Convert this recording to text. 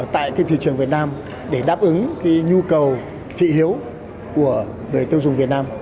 tại thị trường việt nam để đáp ứng nhu cầu thị hiếu của đời tiêu dùng việt nam